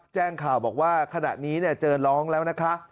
แจ้งข่าวบอกว่าขณะนี้เจอน้องแล้วนะคะ